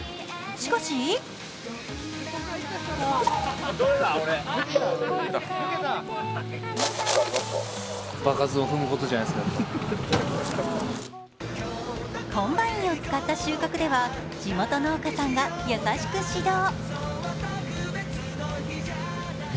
しかしコンバインを使った収穫では地元農家さんが優しく指導。